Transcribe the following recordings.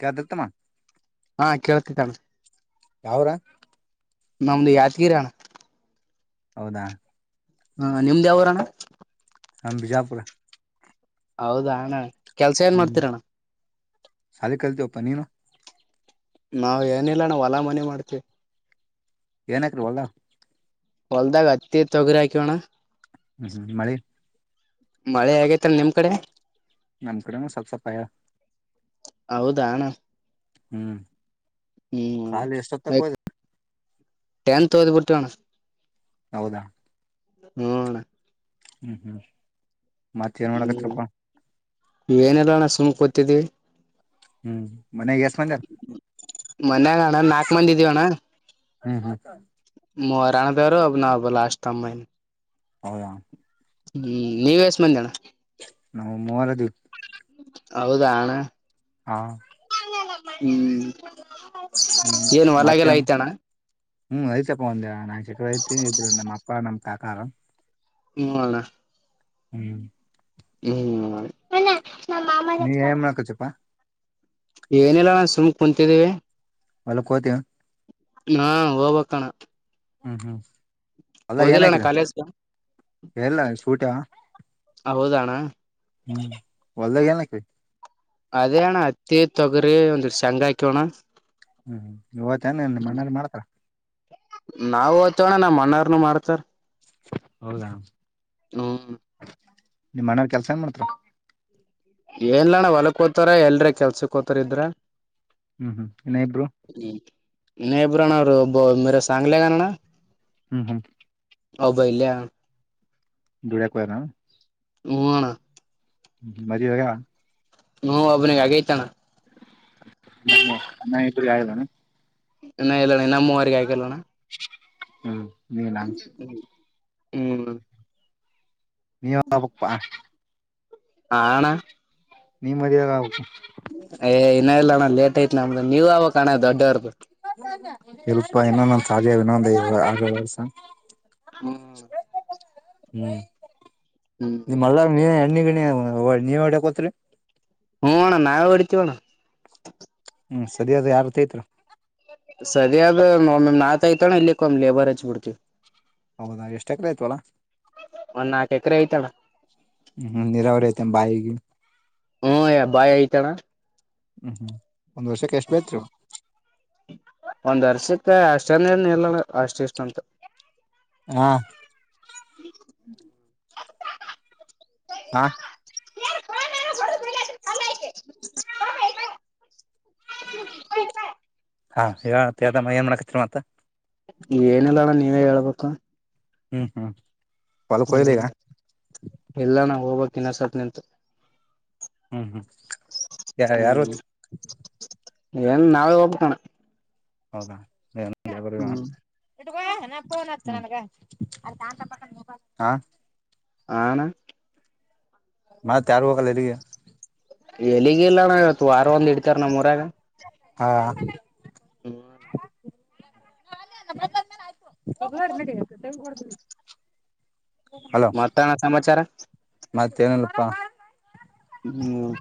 ಕ ದತಮ್ಮ ಹಾ ಕೇಳ್ತಿದ್ದಾನೆ ಯಾವ್ ಊರ ನಮ್ದು ಯಾದಗಿರಿ ಅಣ್ಣ ಹೌದಾ ಹಾ ನಿಮ್ದ್ ಯಾವರನಾ ಹ ಬಿಜಾಪುರ ಹೌದಾ ಹಣ್ಣ ಕೆಲ್ಸ ಏನ್ ಮಾಡ್ತಿರಣ್ಣ ಸಾಲ ಕಲ್ತವಪ್ಪ ನೀನು ನಾವ್ ಏನಿಲ್ಲ ನಾವವು ಹೊಲಾ ಮನೆ ಮಾಡ್ತಿವಿ ಏನಕ್ರಿ ಒಲ್ಲಾ ಒಲ್ದ ಕತ್ತ ತೊಗರಾಕಿಣ್ಣ ಹ್ಮ್ ಹ್ಮ್ ಮಳಿ ಮಳೆ ಆಗೇತರಿ ನಿಮ್ ಕಡೆ ನಮ್ ಕಡೆನ ಸಾಲ್ಸಪಾಯ ಹೌದಾಣ ಹ್ಮ್ ಸಾಲಿ ಎಷ್ಟೊತ್ತಕ್ ಹೋದ ಹ್ಮ್ಟೆನ್ತ್ದಿ ಪುಟ್ಟಣ ಹೌದಾ ನೋಡಣ್ಣ ಹ್ಮ್ ಹ್ಮ್ ಮತ್ತ ಏನ್ ನೋಡಕತ್ಪ್ ನೀ ಏನೆಲ್ಲಣ ಸುಮ್ಕೂತಿದ್ದವಿ ಹ್ಮ್ ಮನ್ಯಾಗ ಎಷ್ಟ್ ಮಂದಿ ಮನ್ಯಾಗ ಅಣ್ಣ ನಾಕ್ ಮಂದಿ ಇದ್ದೀವಣ್ಣ ಹ್ಮ್ ಹ್ಮ್ ಮರಣದರು ಅಬ್ಬ ನಾ ಲಾಸ್ಟ್ ಮ್ಮ್ ಹೌ ಹ್ಮ್ ನೀವ ಎಷ್ಟ ಮಂದನ ನಾವು ಮೂವಲ ದ ಹೌದಾನ ಹಾ. [inaudible] ಹ್ಮ್ ಹ್ಮ್ ಏನ ಹೊಲ ಗಿಲ್ಲಾ ಮತ್ತೇನ್ ಐತಾಣ್ಣಾ. ಹ್ಮ್ ಐತಪ್ಪ ಒಂದ ನಾಕ ಎಕ್ರೆ ಐತಿ ಇಬ್ರು ನಮ್ಮ ಅಪ್ಪ ನಮ್ಮ್ ಕಾಕಾರು. ಹ್ಮ ಅಣ್ಣಾ. ಹ್ಮ್. ಹ್ಮ [unintelligible] ನಮ್ಮ್ ಮಾಮಗ ನೀ ಹಚ್ಚಿ ಕೊಡ. ಏನ್ ಮಾಡಕತಿಪಾ ಏನಿಲ್ಲ ಅಣ್ಣಾ ಸುಮ್ನ ಕುಂತಿದ್ದೀವಿ. ಹೊಲಕ ಹೊತಿಯ. ನಾ ಹೋಗ್ಬಕ್ಕಣ. ಹ್ಮ್ ಹ್ಮ್ ಹೊಲ್ದಾಗ ಏನ ಹೋಗಿಲ್ಲಣ್ಣ ಹಾಕಿದ ಕಾಲೇಜ್ ಎಲ್ಲ ಸೂಟ. ಹೌದಾ ಅಣ್ಣಾ. ಹ್ಮ್ ಹೊಲ್ದಾಗ ಏನ್ ಹಾಕೇರಿ. ಅದೇಣ ಹತ್ತಿ ತೊಗರಿ ಒಂದಿಟ್ಟ ಶೆಂಗಾ ಹಾಕಿವ ಅಣ್ಣಾ. ಹ್ಮ್ ಇವತ್ತು ಏ ಇಲ್ಲ ಮನಲಿ ಮಾಡ್ತ್ರ. ನಾವು ಹೋತೇವ ಅಣ್ಣಾ ನಮ್ಮಣ್ಣಾರ್ನು ಮಾಡ್ತರ್. ಹೌದಾ ಹ್ಮ್ ನಿಮ್ಮ ಮನೆಯವ್ರ ಕೆಲ್ಸ ಏನ್ ಮಾಡ್ತ್ರ. ಏನ್ಲಣ್ಣ ಹೊಲಕ್ ಹೋತಾರ ಎಲ್ರ ಕೆಲ್ಸಕ್ ಹೊತಾರ ಇದ್ರ. ಹ್ಮ್ ಹ್ಮ್ ಇನ್ನ ಇಬ್ರು. ಹ್ಮ ಇನ್ನ ಇಬ್ಬರ ಅಣ್ಣಾ ಅವರು ಮೇರ ಸಾಂಗಲೆಗನಣ್ಣ. ಹ್ಮ್ ಹ್ಮ್. ಒಬ್ಬ ಇಲ್ಲೇ ಆನ. ದುಡಿಯಕ ಹೋಗ್ಯಾರ ಏನ್. ಹ್ಮ್ ಅಣ್ಣಾ. ಮದುವೆ ಆಗೇದ. ಹ ಒಬ್ಬನಿಗೆ ಆಗೈತಾನಾ. ಹ ಇನ್ನ ಇಬ್ಬರಿಗ ಆಗಿಲ್ಲ ಏನ್. ಇನ್ನ ಇಲ್ಲಣ್ಣ ಇನ್ನ ಮೂವರೀಗ ಆಗಿಲ್ಲ ಅಣ್ಣಾ. ಹ್ಮ್ ನೀ ಎಲ್ಲಾಂಚ. ಹ್ಮ್ ನೀವ್ ಹೇಳ್ಬೇಕ್ ಪಾ. ಹಾ ಅಣ್ಣಾ. ನೀ ಮದುವಿ [unintelligible] ಏ ಇನ್ನ ಇಲ್ಲ ಅಣ್ಣ ಲೇಟ್ ಐತ್ ನಮ್ದ ನೀವ ಆವಕ್ ಅಣ್ಣ ದೊಡ್ಡವರದ. ಇಲ್ಪ್ಪಾ ಇನ್ನ ನಂದ ಸಾಲಿ ಇದ ಇನ್ನೊಂದ ಐದ್ ಆರ ವರ್ಷ. ಹ್ಮ. [unintelligible] ಹ್ಮ್ ಹ ನೀವು ಹೋದ್ಯಕ ಹೋಗತ್ರಿ. ಹ್ಮ ಅಣ್ಣ ನಾವು ಹೊಡಿತಿವ ಅಣ್ಣಾ. ಹ್ಮ್ ಸರಿಯದು ಯಾರ್ ತಗಿತಾರ. ಸರಿ ಅದು ಒಮೊಮ್ಮೆ ನಾ ತಗಿತ ಒಮ್ಮೆ ಲೇಬರ್ ಹಚ್ಬ ಬಿಡ್ತೀವಿ. ಹೌದಾ ಎಷ್ಟು ಎಕರೆ ಐತ್ ಹೊಲಾ. ಒಂದ್ ನಾಕ ಎಕರೆ ಐತ್ ಅಣ್ಣ. ಹ್ಮ್ ನೀರಾವ್ರರಿ ಐತೆ ಏನ ಬಾಯಿಗೆ. ಹ್ಮ್ ಯಾ ಬಾಯ್ ಐತಣ್ಣ. ಹ್ಮ್ ಒಂದ್ ವರ್ಷಕ್ಕೆ ಎಷ್ಟ್ ಬೆಳಿತಿರಿ. ಒಂದ್ ವರ್ಷಕ್ಕ ಅಷ್ಟಂದ ಏನ್ ಇಲ್ಲ ಅಷ್ಟ ಇಷ್ಟ ಅಂತ. ಹಾ [unintelligible] ಹಾ ಹಾ [unintelligible] ಏನ್ ಮಾಡಕತಿರಿ ಮತ್ತ ಏನಿಲ್ಲ ಅಣ್ಣ ನೀವೇ ಹೇಳ್ಬೇಕು ಹ್ಮ್ ಹ್ಮ್ ಹೊಲಕೋಯ್ಲಿ ಈಗ ಇಲ್ಲ ಅಣ್ಣ ಹೋಗ್ಬೇಕು ಇನ್ನ ಸ್ವಲ್ಪ ನಿಂತು ಹ್ಮ್ ಹ್ಮ್ ಯ ಯಾರು ಹ್ಮ್ [unintelligible] ಏನ್ ನಾವೇ ಒಗ್ಬೇಕಣ್ಣ ಹೌದಾ ಏನ್ ಹ್ಮ್ [unintelligible] ಹಾ ಹಾ ಅಣ್ಣ ಮತ್ತೆಯಾರು ಹೋಗಲ್ಲ ಅಲ್ಲಿಗೆ ಎಲ್ಲಿಗ ಇಲ್ಲಣ ಇವತ್ತು ವಾರ ಒಂದ್ ಇಡ್ತಾರ ನಮ್ಮೂರಾಗ ಹಾ ಹ್ಮ್ [unintelligible] ನಡಿ ಹಲೋ ಮತ್ತಣ ಸಮಾಚಾರ ಮತ್ತೇನಿಲ್ಲಪ್ಪ ಹ್ಮ್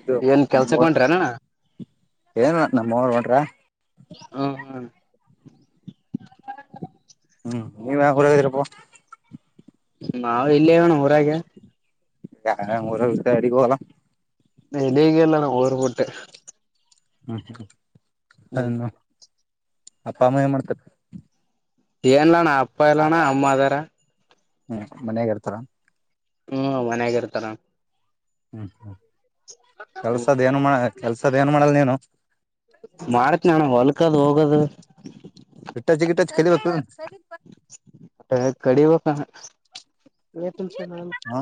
ಇದು ಏನ್ ನಿಮ್ಮೂರ್ ಕೆಲ್ಸಕೊಂಟ್ರೇನು ಏನ್ ನಮ್ಮರು ಹೊಂಟರೆ ಹಾ ಹಾ ಹ್ಮ್ ನೀವ ಯಾವ್ ಊರಾಗಿದೀರಪ್ಪ ನಾವು ಇಲ್ಲೆವಣ ಊರಾಗೆ ಯಾ ಊರಾಗ [unintelligible] ನಾ ಇಲ್ಲೇ ಎಲ್ಲಅಣ್ಣ ಊರುಬುಟ್ಟೆ ಹ್ಮ್ ಹ್ಮ್ ಹ್ಮ್ ಅನು ಅಪ್ಪ ಅಮ್ಮ ಏನ್ ಮಾಡ್ತಾರೆ ಏನ್ಲಣ್ಣ ಅಪ್ಪ ಇಲ್ಲಣ್ಣ ಅಮ್ಮ ಅದಾರ ಹ್ಮ್ ಮನ್ಯಾಗ ಇರ್ತಾರ ಹ್ಮ್ ಮನ್ಯಾಗ ಇರ್ತಾರಣ್ಣ ಕೆಲ್ಸದ್ ಏನು ಮಾಡ ಕೆಲ್ಸದ್ ಏನು ಮಾಡಲ್ಲ ನೀನು ಮಾಡ್ತೀನಣ್ಣ ಹೊಲ್ಕದು ಹೋಗದು ಇಟ್ಟ ಚಿಗಿಟಚ್ಚ ಕಲಿಬೇಕು ನೋಡ ಹ ಕಡಿಬೇಕ ಹ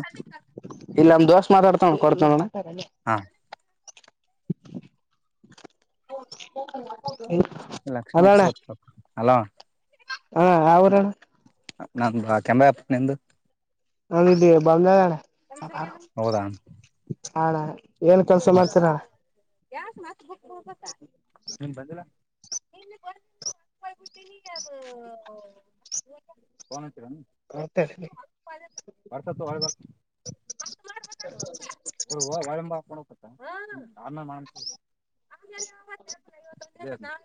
ಇಲ್ಲಿ ನಮ್ ದೋಸ್ತ್ ಮಾತಾಡ್ತ ಅವ್ನ್ ಕೊಡ್ತೀನಿ ನೋಡಣ್ಣ ಹಾ [unintelligible] ಲಕ್ಷ್ಮಣ ಸೊತ್ತು ಹಲೋ ಹಾ ಅವ್ರಣ ನಂದು ತಿಂದಾಯ್ತು ನಿಂದು ಹೌದು ಬಂದವಳನ್ನ ಹೌದಾ ಹೌದಣ್ಣ [unintelligible] [unintelligible] ಫೋನ್ ಹಚ್ಚಿಲೇನು [unintelligible] ವರ್ಷ ಹಗ ಒಳಂಬಾಣ ಹ ನೇ [unintelligible]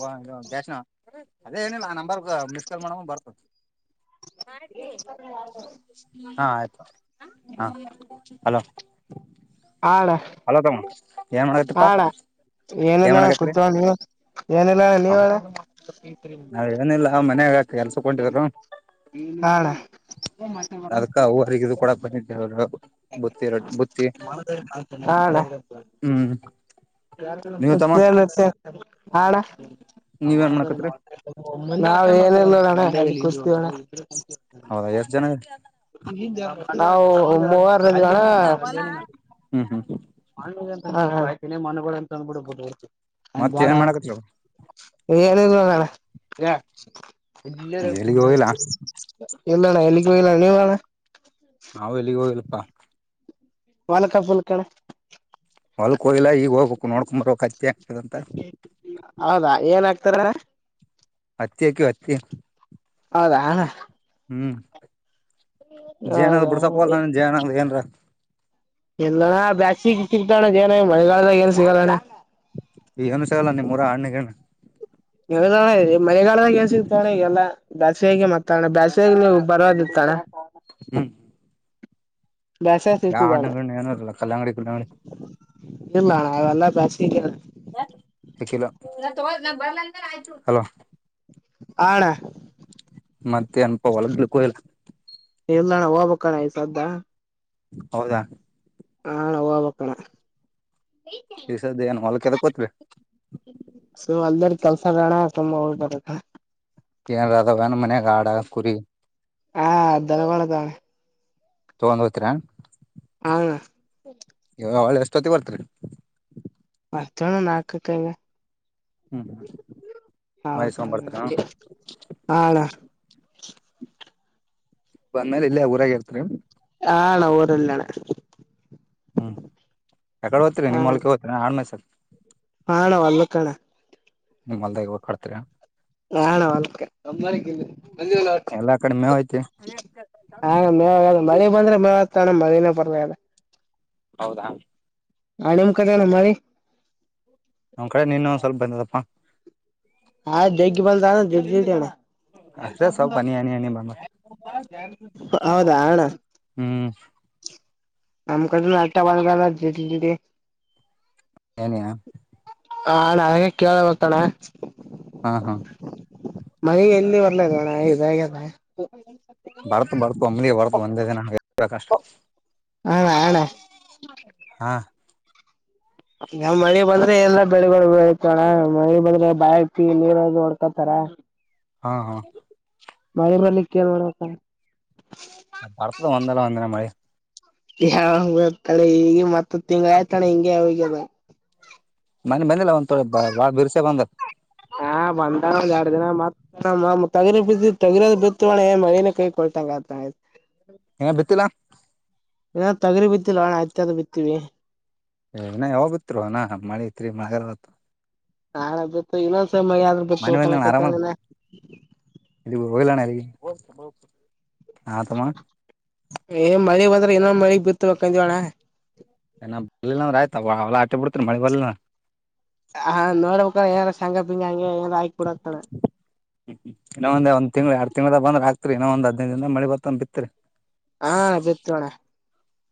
ಹ ಜಷನ ಅದೇ ಏನಿಲ್ಲ ನಂಬರ್ ಮಿಸ್ ಕಾಲ್ ಮಾಡಮ್ಮ ಬರ್ತದ ಆ್ತ [unintelligible] ಹಾ ಆಯ್ತು ಹಾ ಅಲೋ ಆಳ [unintelligible] ಅಲ್ಲ ತಮ್ಮ ಮಾಡಕತ್ತಪ್ಪಾ ಹಾಳ ಏನ್ ಏನಲ್ಲಣ್ಣ ಮಾಡಕತ್ರಿ ಕುತ್ಣ ನೀವು ಏನಿಲ್ಲಣ್ಣ ಹ ನೀವ ಏನಿಲ್ಲ ಮನ್ಯಾಗ ಕೆಲ್ಸ ಕೊಟಿದ್ರು ನಾಳ ಅದಕ್ಕ [unintelligible] ಅವರಿಗ ಇದು ಕೊಡಕ್ ಬಂದಿದ್ದೆ ಅವರು ಮ [unintelligible] ಯ ಹ [unintelligible] ಹ್ಮ್ ನೀವ್ ತಮ್ಮ ನೀವ್ ಏನ್ ಮಾಡಕತ್ರಿ ನಾವ ಏನಲ್ಲೋಣ್ಣ ಸ್ತವೋಣ್ಣ ಹೌದಾ ಎಷ್ಟ್ ಜನ ಹಮವರ್ [unintelligible] [inaudible] ಹ್ಮ್ ಹ್ಮ್ ಮಣ್ಣತ ಮಣಗಳುಂತ ಅಂದ್ಬಿಡ್ಬೋದುತ ಆಂಡ್ ಮತ್ತ ಬಾಡ ಏನ್ ಮಾಡಕತ್ರಿ ಏನಣ ಎ ಎಲ್ಲಿಗ್ ಹೋಗಿಲ್ಲಾ [unintelligible] ಇಲ್ಲಣ್ಣ ಎಲ್ಲಿಗೂ ಇಲ್ಲಣ ನೀವಣ್ಣ ನಾವವು ಎಲ್ಲಿಗೆ ಹೋಗ್ಲ್ಪಾ ಹೊಲ್ಕ [unintelligible] ಲ್ಕಳ ಹೊಲ್ಕ ಇಲ್ಲ ಈಗ ಹೋಗ್ಬೇಕು ನೋಡ್ಕೊಂಬರ್ಬೇಕಕ್ ಅತ್ತೆ ಆಗ್ತದಂತ ಹೌದಾ ಏನ್ ಆಕ್ತಾರ ಹತ್ತೆಕ ಹತ್ತಿ ಹೌದಾ ಹ ಹ್ಮ್ ಜೇನಾಗ ಹೌದಾ ಬಿಡ್ಸಕಲ್ಲ ನ ಜೇನಂದ ಏನ್ರ ಎಲ್ಲಣ್ಣ ಬ್ಯಾಸಿಗೆ ಸಿತ ಅಣ್ಣ ಜಏನ ಮಳಗಾಲದಾಗ ಏನ್ ಸಿಗಲ್ಲಣ್ಣ ಈ ಏನುಷಗಲ್ಲ ನಿಮ್ಮರ ಹಣ್ಣಗಣ ನ ಮನೆಗಾಲದಾಗ ಸಿಗ್ತಾವಳೆ ಈಗೆಲ್ಲಾ ಬ್ಯಸ್ಗೆ ಮತ್ತೆ ಬೇಸ್ಸಗ ಬರದಿತ್ತಾಳೆ ಹ್ಮ್ ಯಾವ ಹಣ್ಣಗಳ ಏನೂ ಇಲ್ಲ ಕಲ್ಲಂಗಡಿ ಕಲ್ಲಂಗಡಿ ಇಲ್ಲೆಲ್ಲ [unintelligible] ಬಯ [unintelligible] ಆಣ ಮತ್ತೆ ಅನ್ಪ ಒಳಗ್ಲಿಕ್ಕೂ ಇಲ್ಲ ಎಲ್ಲಣ ಹೋಗ್ಕ ಈ ಸದ್ದಾ ಹೌದಾ [unintelligible] ಬಕಣ ದಿವಸದ ಏ ಹೊಲ್ಕ್ಕೆದ ಕೋತ್ಬೇಕವಿ ಸೊ ಅಲ್ದರ್ ಕೆಲ್ಸ ರಣ ತುಂಬಾ ಹೋಗ್ ಬರತ್ತ ಏನ್ ಅದಾವನ ಮನ್ಯಾಗ ಆಡ ಕುರಿ ಹಾ ಅದ್ದಲಗಡದೆ ತೊಂಬಂಬತ್ತರ ಹ ಅವಳೆ ಎಷ್ಟೊತಿ ಬರ್ತರಿ ಬರ್ತಣ ನಾಲ್ಕಕೈವೆ [inaudible] ಹ್ಮ್ ಹ್ಮ ಹೌದ ಹಾಳ [inaudible] ಬಂದ ಮೇಲೆ ಇಲ್ಲೇ ಊರಾಗ ಇರ್ತಾರೆರಿ ಆಣ ಊರಲ್ಲಣ ಹ್ಮ್ ಯಕಡೆಓದ್ತರಿ ಹ ನಿಮ್ಮ ಹೊಲ್ಕೆ ಹಓ್ತರಿ ಆ್ಮ ಸತ ಹಣ ಒಲ್ಲಕ್ಕಣ ನಿಮ್ ಅಲ್ದ ಹ ಹಾಡ್ತೀ ನಳಾಳ ನ ಎಲ್ಲಾ ಕಡೆ ಮೇವ್ ಐತಿ ಹ ಮ ಮಳಿ ಬಂದ್ರೆ ಮೇವ ತ ಮಳಿನೇ ಪರ್ವ ಹೌದಾ ಆಣಮ ಕತೆ ನಮ್ಮಿ ನಮ್ಮ್ ಕಡೆ ನಿನ್ನಂದ್ ಸ್ವಲ್ಪ ಬಂದಪ್ಪ ಹಾ ದಗಿ ಬದ ದ ದಿ ಜಣ ಅಷ್ಟೇ ಸ್ವಲ್ಪ ಹನಿ ಹನಿ ಹನಿ ಬಂದ [inaudible] ಹೌದಾ ಅಣ್ಣ ಹ್ಮ್ ಅಮಕ ಅ ಆಟಾ ಬಾಗಲ್ಲ [inaudible] ಏನಯಾ ಹ ನಗೆ ಕೇಳ ಬತಣ ಹಾ ಹಾ ಮನೆಗೆ ಎಲ್ಲಿ ಬರ್ಲದೋಣ ಇದಾಗಲ್ಲ ಬರ್ತ್ ಬರ್ತು ಅಂಬ್ಲಿ ಬರ್ತು ಒಂದೇ ದಿನ ಹಾಗೆ ಕಷ್ಟ ಹಣ ಆಳ ಹಾ ಈ ಮಳಿ ಬಂದ್ರೆ ಎಲ್ಲ ಬೆಳಗ ಬಣ ಮಳಿ ಬಂದ್ರೆ ಬಿ ನೀರ ಹೊಡ್ಕೊತಾರ ಹಾ ಹಾ ಮಳೆ ಬರ್ಲಿಕ್ಕೆ ಏನ್ ಮಾಡ್ಬೇಕ ಬರ್ತದ ಒಂದಲ್ಲ ಒಂದಿನ ಮಳಿ ಯಾವ ಗರ್ತಾಳೆ ಈಗ ಮತ್ತತ್ ತಿಂಗ್ಳ ಆಯ್ತಾಳೆ ಹಿಂಗೆ ಹೋಗ್ಯದ ಮನೆ ಬಂದಿಲ್ಲ ಒಂದ್ಥಡೆ ಬಾ ಬಿರ್ಸೆ ಬಂದತ್ ಹಾ ಬಂದ ಒಂದ್ ಎರಡ್ ದಿನ ಮತ್ ಹ ತಗಿದ್ದ ತಗಿರೋದ ಬಿತ್ತಳೆ ಮರಿನ ಕೈ ಕೊಳ್ತಂಗ ಆ ಆಯ್ತ ಏ ಬಿತಿಲ್ಲಾ ಏ ತಗರಿ ಬಿತ್ತಿಲ್ಲ ನಣ ಆಯ್ ಅ ಬಿತ್ತೀವಿ ನ ಹೋಗತ್ರು ಅನಾ ಮಳತ್ರಿ ಮಳಗಲ್ವತ್ತ ನಾಳೆ ಬತ್ತು ಇನ್ನೊಂದ್ಸಾದ್ ಬ ಮನ್ನಿ ಹತಣ ಕೈತನ ಇಲ್ಲಿ ಗೋಗಲಣ ಅಲ್ಲಿಗೆ ಹಾ ತಮ್ಮ ಏ ಮಳಿ ಬಂದ್ರೆ ಏನೋ ಮಳಗ್ ಬಿತ್ತತ ಕಂದಂತವಣ್ಣ ಏ ಬರ್ಲ್ಲ ಅಂದ್ರ ಆಯತ ಅವಳ ಆ ಬಿಡ್ತೀ ಮಿ ಬಲಿಲ್ಲ ಹಾ ನೋಡ್ಬೇಕ ಏನಾರ ಸಂಘ ಬಿಂಗ ಹಂ ಏಾರ ಆ್ಕ ಬಿಡಕ್ತಳೆ ಇನ್ನೊ ಒಂದ್ ತಿಳ ಎರಡ್ ತಿಂಗಳದ ಬಂದ್ರ ಆತ್ರಿ ಇನ ಒಂದ್ ಹದಿನೈ ದಿಂದ ಮಳ ಬತಂದ ಬಿತ್ರಿ ಹಾ ಬಿತ್ಣ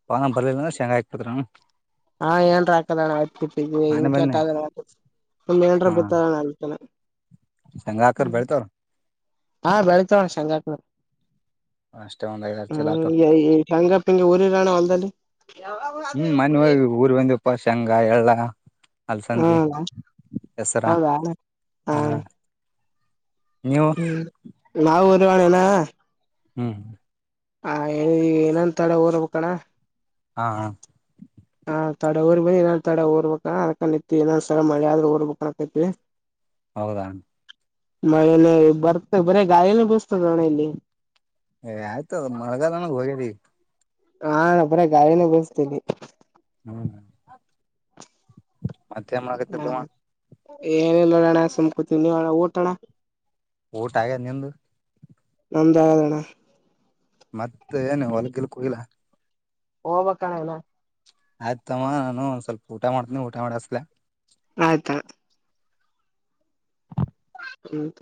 ಪಾನ ಬರ್ಲಿಲ್ಲ ಅ್ರ ಶಂಗ ಆಯಕ್ತತ್ ಹಾ ಏನ್ರ ಹಾಕದಣ್ಣ ಆಯ್ ಕಟ್ಟಿದವಿ ಮನ್ನಿ ಇಂಕ ಬಂದ್ನಿ ಏನ್ರ ಬಿತ್ತದಣ ಅತಾನ ಸಂಂಗಾಕರ್ ಬೆಳತಾವ್ರ ಹಾ ಬೆಳೀತಾವ ಶೇಂಗಾಕಾಳ್. ಅಷ್ಟೇ ಒಂದ್ ಐ [unintelligible] ಹ್ಮ ಹಂಗಪ್ಪಿಂಗೆ ಊರಿರೋಣ ಹೊಲ್ದಲ್ಲಿ ಯಾವಾಗೂ ಆದೇವ್ ಮೊನ್ನಿ ಹೋಗಿಹೋಗ್ ಊರ್ ಬಂದು ಉಪಾಸ್ಯಾಂಗ ಎಲ್ಲ ಹ ಅಲಸಂದಿ, ಹೆಸರಾ? ಹೌದಾ ಹ ಹಾ. ನೀವು ಹ್ಮ್. ನಾವುನು ಹೊಣೆನಾ. ಹ್ಮ್ ಹ ಏ ಏ ಏನಂತಡ ಊರ್ಬೇಕಣ? ಹಾ ಹಾ ಹ ತಡೆ ಊರ್ಬೇ ಇನ್ನೊಂದ್ ತಡೆ ಊರ್ಬೇಕ ಅದಕ ನಿಂತಿ ಇನ್ನೊಂದ್ ಸಲ ಮಳಿ ಆದ್ರ ಊರ್ಬೇಕಾತೈತಿ. ಹೌದಾ ಮ [unintelligible] ಬರ್ತ ಬರೆ ಗಾಳಿನ ಬೀಸ್ತದ ಅಣ ಇಲ್ಲಿ. ಏ ಆಯ್ತು ಮಳೆಗಾಲ ಅನ್ನದ್ ಹೋಗೈದಿ. ಹಾ ಬರೆ ಗಾಳಿನ ಬೀಸ್ತದಿ. ಹ್ಮ್ ಮತ್ತೇನ್ ಹಾ ಮಾಡಕತ್ತದವ ಏನಿಲ್ಲೋಡಣ ಸಂಕೋತೀವಿ ನೀವಣ್ಣ ಊಟಣ ಊಟ ಆಗ್ಯದ ನಿಮ್ದು? ನಮ್ ದಾಗದಣ್ಣ. ಮತ್ ಏನು ಹೊಲಗಿಲಕ್ಕೋಗಿಲ್ಲ? ಹೋಗ್ಬಕ್ಕಣ ಇನ ಆಯ್ತಮ್ಮ, ನಾನು ಒಂದ್ ಸ್ವಲ್ಪ ಊಟ ಮಾಡ್ತನಿ, ಊಟ ಮಾಡಿಸಲ? ಆಯ್ತಾ ಹ್ಮ್ [unintelligible]